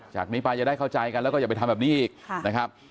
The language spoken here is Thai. จากนี้ไปจะได้เข้าใจกันแล้วก็อย่าไปทำแบบนี้อีกนะครับ